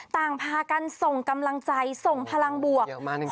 ต่างพากันส่งกำลังใจส่งพลังบวก